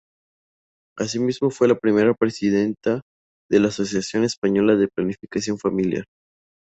Asimismo fue la primera presidenta de la Asociación Española de Planificación Familiar.